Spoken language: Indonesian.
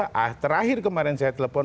nah terakhir kemarin saya telepon